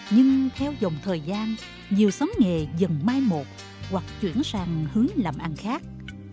nhưng theo dòng thời gian nhiều xóm nghề dần mai một hoặc chuyển sang hướng làm ăn khác